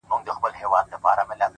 نیکه وینا درانه زړونه نرموي؛